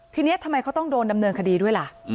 ทีนี้ทำไมเขาต้องโดนดำเนินคดีด้วยล่ะ